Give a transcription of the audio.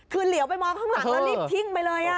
คือเหลียวไปมองข้างหลังแล้วรีบทิ้งไปเลย